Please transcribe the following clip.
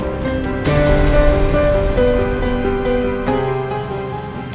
kamu lupain mbak andin